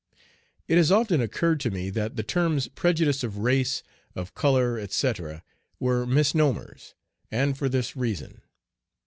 It has often occurred to me that the terms "prejudice of race, of color," etc., were misnomers, and for this reason.